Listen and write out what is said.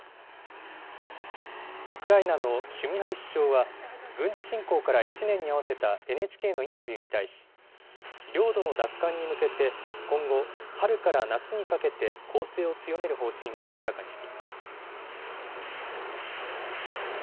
ウクライナのシュミハリ首相は、軍事侵攻から１年に合わせたＮＨＫのインタビューに対し、領土の奪還に向けて今後、春から夏にかけて攻勢を強める方針を明らかにしています。